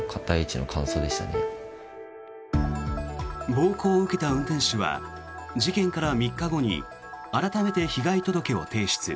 暴行を受けた運転手は事件から３日後に改めて被害届を提出。